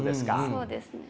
そうですね。